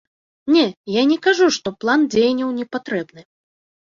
Не, я не кажу, што план дзеянняў не патрэбны.